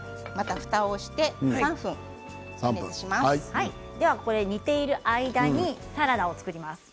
ふたをして３分煮ている間にサラダを作ります。